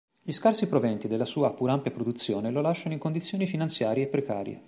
Gli scarsi proventi della sua pur ampia produzione lo lasciano in condizioni finanziarie precarie.